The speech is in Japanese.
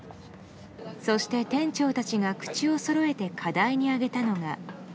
そして店長たちが口をそろえて課題に挙げたのが。